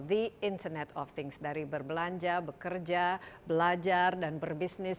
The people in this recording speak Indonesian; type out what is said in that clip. the internet of things dari berbelanja bekerja belajar dan berbisnis